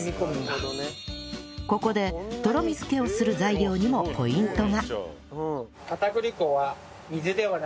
ここでとろみ付けをする材料にもポイントが